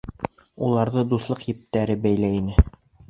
Уларҙы дуҫлыҡ ептәре бәйләй ине